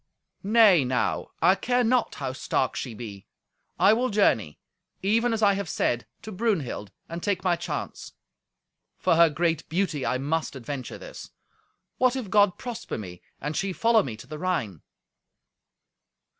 "Nay, now, I care not how stark she be; I will journey, even as I have said, to Brunhild, and take my chance. For her great beauty I must adventure this. What if God prosper me, and she follow me to the Rhine?"